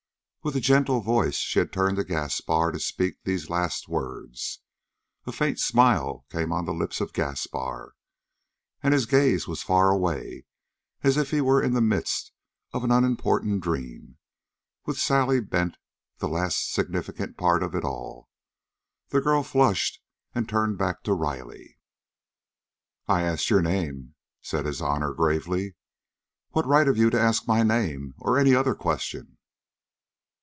With a gentle voice she had turned to Gaspar to speak these last words. A faint smile came on the lips of Gaspar, and his gaze was far away, as if he were in the midst of an unimportant dream, with Sally Bent the last significant part of it all. The girl flushed and turned back to Riley. "I asked you your name," said his honor gravely. "What right have you to ask me my name, or any other question?"